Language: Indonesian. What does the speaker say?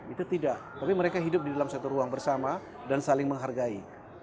itu tidak tapi mereka hidup di dalam satu ruang bersama dan saling menghargai